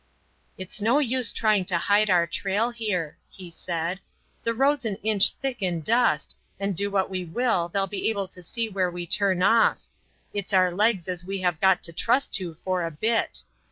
"It's no use trying to hide our trail here," he said. "The road's an inch thick in dust, and do what we will they'll be able to see where we turn off. It's our legs as we have got to trust to for a bit.